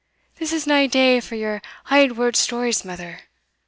"This is nae day for your auld warld stories, mother.